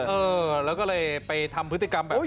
เออแล้วก็เลยไปทำพฤติกรรมแบบนี้